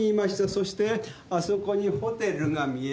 そしてあそこにホテルが見えます。